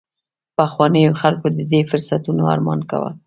پخوانیو خلکو د دې فرصتونو ارمان کاوه